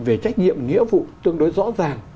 về trách nhiệm nghĩa vụ tương đối rõ ràng